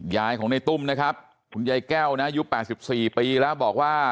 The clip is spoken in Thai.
ยายของในตุ้มนะครับคุณยายแก้วนะยุค๘๔ปีแล้วบอกว่า